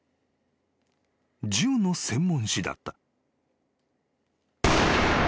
［銃の専門誌だった］